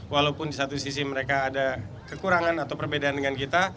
walaupun di satu sisi mereka ada kekurangan atau perbedaan dengan kita